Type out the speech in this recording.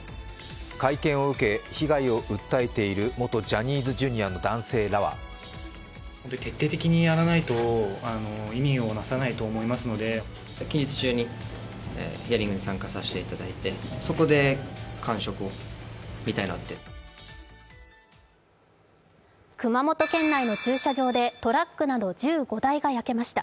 会見を受け、被害を訴えている元ジャニーズＪｒ．らの男性らは熊本県内の駐車場でトラックなど１５台が焼けました。